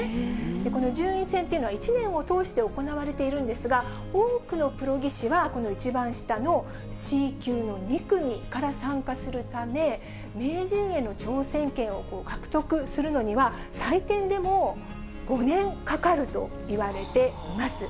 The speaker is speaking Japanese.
この順位戦というのは、１年を通して行われているんですが、多くのプロ棋士は、この一番下のＣ級の２組から参加するため、名人への挑戦権を獲得するのには、最低でも５年かかるといわれています。